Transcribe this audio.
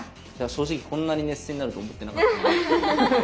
正直こんなに熱戦になるとは思ってなかったな。